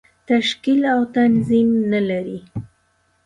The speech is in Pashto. تشکیل او تنظیم نه لري.